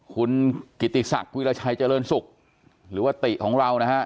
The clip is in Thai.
คุณกิติศักดิ์วิราชัยเจริญศุกร์หรือว่าติของเรานะฮะ